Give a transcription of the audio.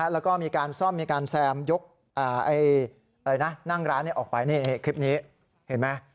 แล้วก็มีการซ่อมมีการแซมยกนั่งร้านออกไปนี่คลิปนี้เห็นไหม